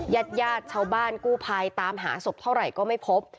ญาติญาติชาวบ้านกู้ภัยตามหาศพเท่าไหร่ก็ไม่พบ